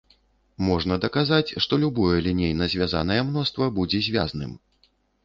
Можна даказаць, што любое лінейна звязнае мноства будзе звязным.